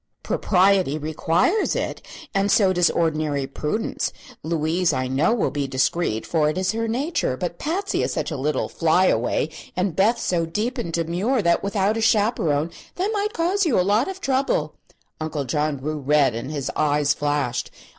"Propriety requires it; and so does ordinary prudence. Louise, I know, will be discreet, for it is her nature; but Patsy is such a little flyaway and Beth so deep and demure, that without a chaperone they might cause you a lot of trouble." Uncle John grew red and his eyes flashed.